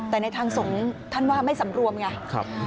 แต่ในทางสงฆ์ท่านว่าไม่สำรวมไง